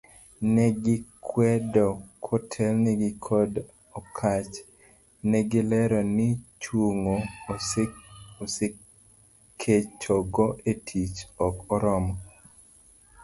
Ne gikwedo kotelnegi kod Okatch, negilero ni chungo askechego etich ok oromo.